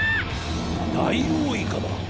ダイオウイカだ！